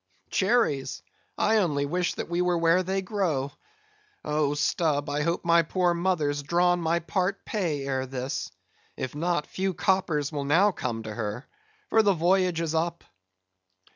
"Cherries? I only wish that we were where they grow. Oh, Stubb, I hope my poor mother's drawn my part pay ere this; if not, few coppers will now come to her, for the voyage is up."